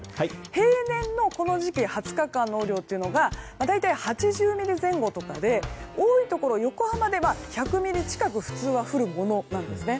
平年のこの時期２０日間の雨量が大体８０ミリ前後とかで多いところ、横浜では１００ミリ近く普通は降るものなんですね。